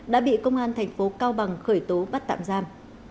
đã bị công an tp cao bằng khởi tố bắt tạm giam